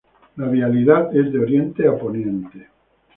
La vialidad es de oriente a poniente.